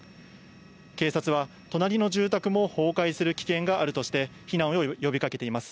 警察は、隣の住宅も崩壊する危険があるとして、避難を呼びかけています。